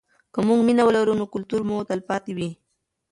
که موږ مینه ولرو نو کلتور مو تلپاتې وي.